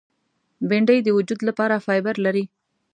بېنډۍ د وجود لپاره فایبر لري